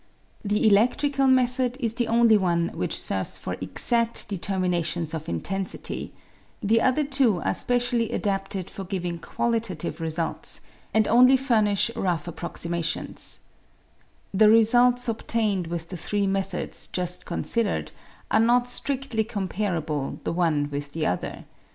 The eleiftrical method is the only one which serves for exad; determinations of intensity ; the other two are specially adapted for giving qualitative results, and only furnish rough approximations The results obtained with the three metliods just considered are not striftly comparable the one with the other.